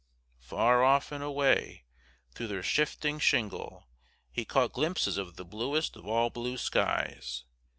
Far off and away through their shifting shingle he caught glimpses of the bluest of all blue skies.